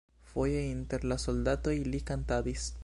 Foje inter la soldatoj li kantadis.